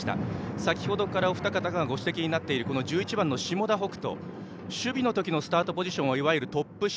先ほどからお二方がご指摘になっている下田北斗は守備のときのスタートポジションはトップ下。